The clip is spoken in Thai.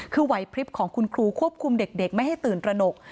คือไหวพลิบของคุณครูควบคุมเด็กไม่ให้ตื่นตระหนก